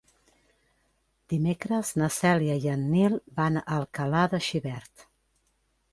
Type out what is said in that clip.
Dimecres na Cèlia i en Nil van a Alcalà de Xivert.